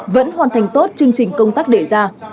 vẫn hoàn thành tốt chương trình công tác đề ra